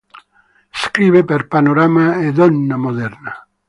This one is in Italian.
Scrive per "Panorama" e "Donna Moderna".